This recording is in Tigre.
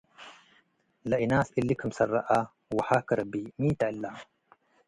ለእናስ እሊ ክምሰል ረአ፤ “ወሃከ ረቢ'፡ ሚ ተ እለ?”